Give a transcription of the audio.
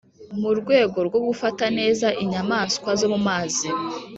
mu rwego rwo gufata neza inyamanswa zo mumazi